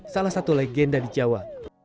salah satu legenda di jawa